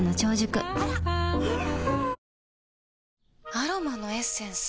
アロマのエッセンス？